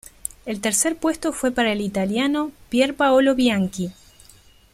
El tercer puesto fue para el italiano Pier Paolo Bianchi.